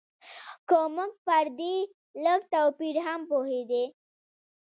که موږ پر دې لږ توپیر هم پوهېدای.